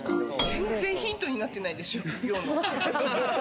全然ヒントになってないでしょ。